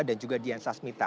dan juga dian sasmita